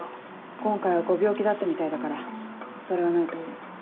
今回はご病気だったみたいだからそれはないと思う。